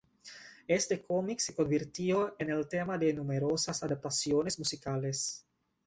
Este cómic se convirtió en el tema de numerosas adaptaciones musicales.